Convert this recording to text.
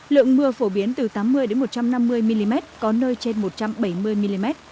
lượng mưa phổ biến từ tám mươi một trăm năm mươi mm có nơi trên một trăm bảy mươi mm